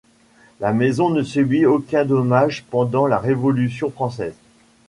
La maison ne subit aucun dommage pendant la Révolution française.